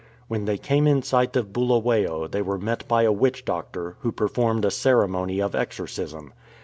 When they came in sight of Bulawayo they were met by a witch doctor, who performed a ceremony of exorcism.